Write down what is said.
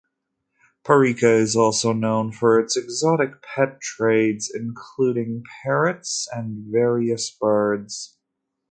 Parika is also known for its exotic pet trades including parrots and various birds.